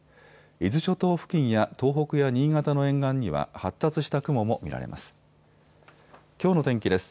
伊豆諸島付近や東北や新潟の沿岸には発達した雲も見られます。